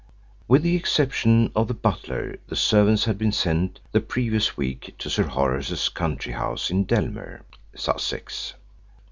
With the exception of the butler the servants had been sent the previous week to Sir Horace's country house in Dellmere, Sussex.